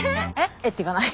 「えっ？」って言わない。